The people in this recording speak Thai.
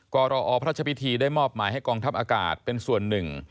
กรอพระชพิธีได้มอบหมายให้กองทัพอากาศเป็นส่วนหนึ่ง